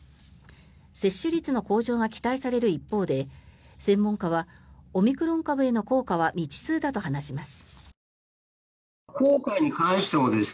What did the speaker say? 接種率の向上が期待される一方で専門家はオミクロン株への効果は未知数だと話します。